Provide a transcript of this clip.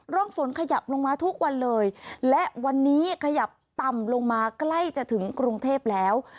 ร่องฝนขยับลงมาทุกวันเลยและวันนี้ขยับต่ำลงมาใกล้จะถึงกรุงเทพแล้ว